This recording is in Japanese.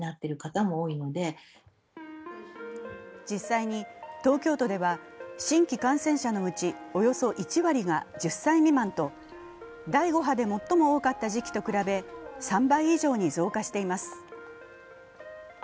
実際に東京都では、新規感染者のうちおよそ１割が１０歳未満と第５波で最も多かった時期と比べ３倍以上に増加しています。